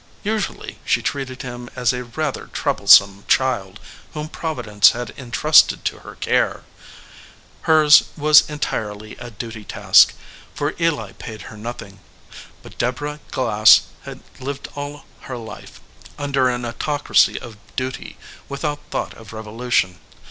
Usually she treated him as a rather troublesome child whom Providence had intrusted to her care. Hers was entirely a duty task, for Eli paid her nothing. But Deborah Glass had lived all her life under an autoc racy of Duty without thought of revolution.